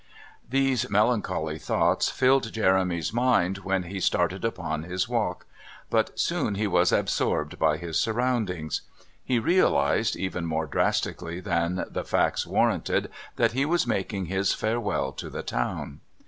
These melancholy thoughts filled Jeremy's mind when he started upon his walk, but soon he was absorbed by his surroundings. He realised even more drastically than the facts warranted that he was making his farewell to the town.